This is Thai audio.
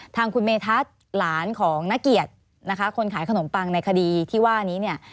ทางคุณเมธัศน์หลานของนักเกียรตินะคะคนขายขนมปังในคดีที่ว่านี้เนี่ย